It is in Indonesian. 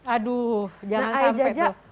aduh jangan sampai tuh